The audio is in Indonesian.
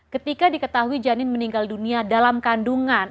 ketika diketahui janin meninggal dunia dalam kandungan